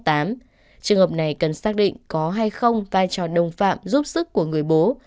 trường hợp này cần xác định có hay không vai trò đồng phạm giúp sức của người bố